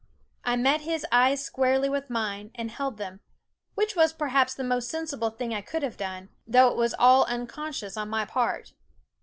I met his eyes squarely with mine and held them, which was perhaps the most sensi ble thing I could have done ; though it was all unconscious on my part.